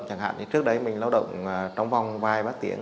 chẳng hạn như trước đây mình lao động trong vòng vài ba tiếng